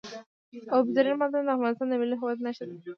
اوبزین معدنونه د افغانستان د ملي هویت نښه ده.